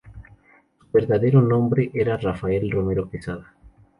Su verdadero nombre era Rafael Romero Quesada.